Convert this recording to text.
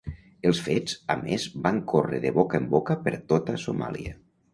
Els fets a més van córrer de boca en boca per tota Somàlia.